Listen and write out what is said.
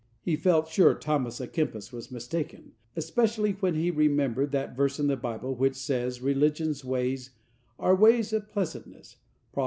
He felt sure Thomas à Kempis was mistaken, especially when he remembered that verse in the Bible which says religion's ways "are ways of pleasantness" (Prov.